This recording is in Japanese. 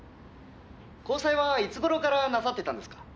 「交際はいつ頃からなさっていたんですか？」